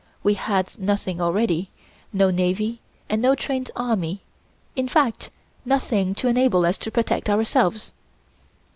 We had nothing ready, no navy and no trained army, in fact nothing to enable us to protect ourselves.